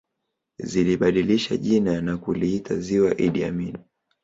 Zilibadilisha jina na kuliita Ziwa Idi Amin